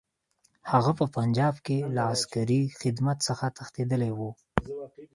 هغه په پنجاب کې له عسکري خدمت څخه تښتېدلی وو.